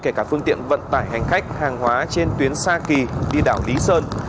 kể cả phương tiện vận tải hành khách hàng hóa trên tuyến sa kỳ đi đảo lý sơn